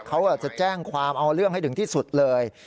เขาจะแจ้งความเอาเรื่องให้ถึงที่สุดเลย